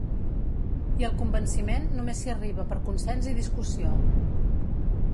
I al convenciment només s’hi arriba per consens i discussió.